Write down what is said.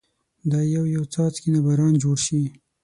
دا يو يو څاڅکي نه باران جوړ شي